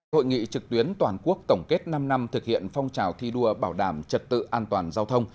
hội nghị trực tuyến toàn quốc tổng kết năm năm thực hiện phong trào thi đua bảo đảm trật tự an toàn giao thông